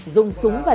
dùng đường dây